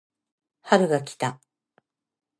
春が来た